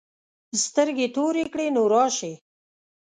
سترګې تورې کړې نو راشې.